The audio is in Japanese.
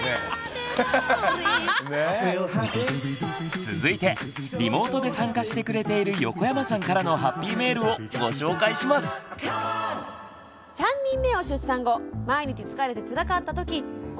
続いてリモートで参加してくれている横山さんからのハッピーメールをご紹介します。ということで。